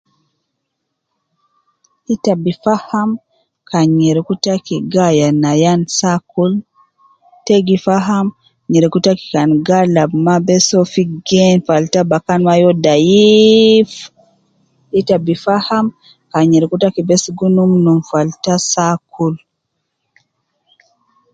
Ita bifaham kan nyereku taki gayan ayan saa kul. Te gi faham nyereku taki kan galab maa Bess fi gen falata uwo dhaiif. Ita bu faham kan nyereku Taki bess gi numnum falata saa kulu.